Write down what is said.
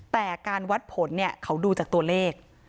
แต่การวัดผลเนี่ยเขาดูจากตัวเลข